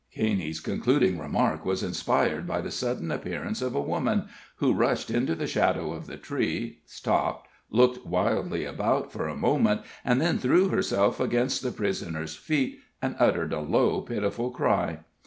Caney's concluding remark was inspired by the sudden appearance of a woman, who rushed into the shadow of the tree, stopped, looked wildly about for a moment, and then threw herself against the prisoner's feet, and uttered a low, pitiful cry.